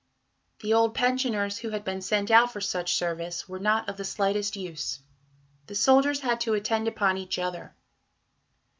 The old pensioners, who had been sent out for such service, were "not of the slightest use"; the soldiers had to "attend upon each other."